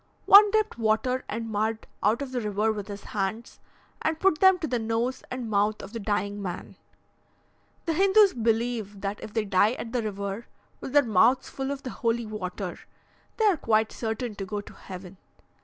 One dipped water and mud out of the river with his hands, and put them to the nose and mouth of the dying man. The Hindoos believe that if they die at the river with their mouths full of the holy water, they are quite certain to go to heaven.